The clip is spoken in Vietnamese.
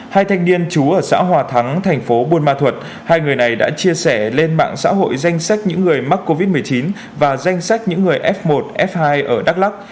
hai thanh niên chú ở xã hòa thắng thành phố buôn ma thuật hai người này đã chia sẻ lên mạng xã hội danh sách những người mắc covid một mươi chín và danh sách những người f một f hai ở đắk lắc